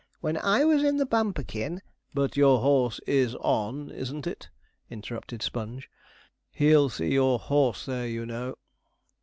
When I was in the Bumperkin ' 'But your horse is on, isn't it?' interrupted Sponge; 'he'll see your horse there, you know.'